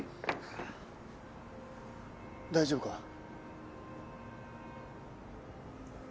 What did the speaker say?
大丈夫か？